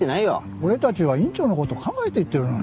俺たちは院長の事考えて言ってるのに。